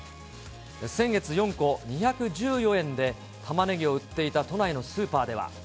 先月４個２１４円でたまねぎを売っていた都内のスーパーでは。